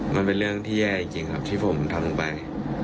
มันเป็นเรื่องที่แย่จริงครับที่ผมทำไป